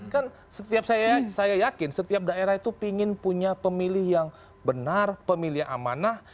kan setiap saya yakin setiap daerah itu ingin punya pemilih yang benar pemilih amanah